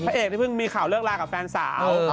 เอกนี่เพิ่งมีข่าวเลิกลากับแฟนสาว